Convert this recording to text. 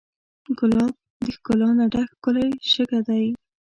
ګلاب د ښکلا نه ډک ښکلی شګه دی.